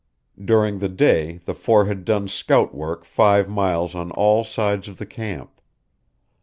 During the day the four had done scout work five miles on all sides of the camp.